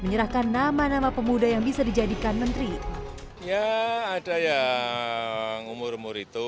menerima apa dengan komposisi seperti itu